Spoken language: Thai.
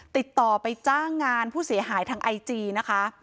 ติดต่อไปจ้างงานผู้เสียหายทางไอจีนะคะ